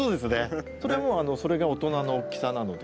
それもうそれで大人の大きさなので。